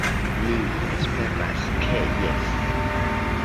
Mi esperas ke jes.